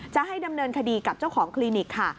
จะให้ดำเนินคดีกับเจ้าของคลินิกค่ะ